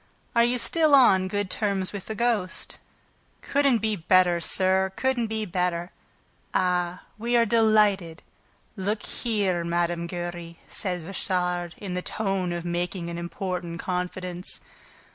"Are you still on good terms with the ghost?" "Couldn't be better, sir; couldn't be better." "Ah, we are delighted ... Look here, Mme. Giry," said Richard, in the tone of making an important confidence.